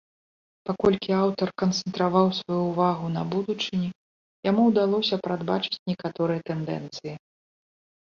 Паколькі аўтар канцэнтраваў сваю ўвагу на будучыні, яму ўдалося прадбачыць некаторыя тэндэнцыі.